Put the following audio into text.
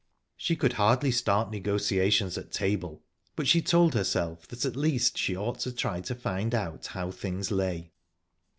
She could hardly start negotiations at table, but she told herself that at least she ought to try to find out how things lay.